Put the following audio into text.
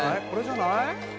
これじゃない？」